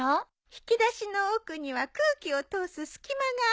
引き出しの奥には空気を通す隙間があるんじゃ。